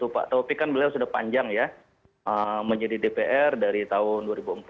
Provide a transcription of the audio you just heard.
pak taufik kan beliau sudah panjang ya menjadi dpr dari tahun dua ribu empat dua ribu sembilan dua ribu empat belas